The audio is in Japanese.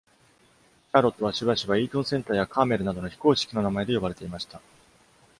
シャーロットはしばしばイートン・センターやカーメルなどの非公式の名前で呼ばれていました。